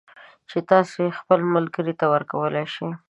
چې تاسو یې خپل ملگري ته ورکولای شئ